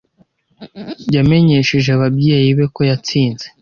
Yamenyesheje ababyeyi be ko yatsinze.